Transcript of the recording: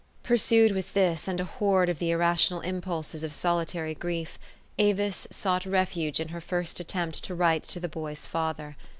Pursued with this and a horde of the irrational impulses of solitary grief, Avis sought refuge in her first attempt to write to the boy's father.